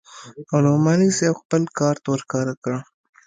او نعماني صاحب خپل کارت ورښکاره کړ.